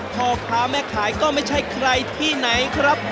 พ่อค้าแม่ขายก็ไม่ใช่ใครที่ไหนครับ